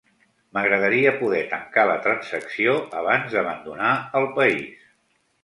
M'agradaria poder tancar la transacció abans d'abandonar el país.